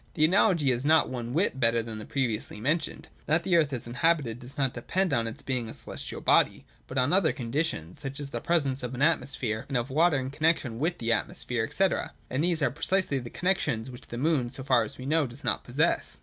The analogy is not one whit better than that previously mentioned. That the earth is inhabited does not depend on its being a celestial body, but on other conditions, such as the presence of an atmosphere, and of water in connexion with the atmosphere, &c. : and these are precisely the conditions which the moon, so far as we know, does not possess.